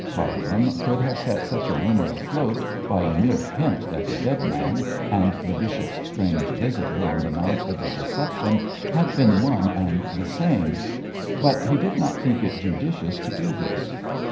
Cargrim could have set such a rumour afloat by a mere hint that the dead man and the bishop's strange visitor on the night of the reception had been one and the same; but he did not think it judicious to do this.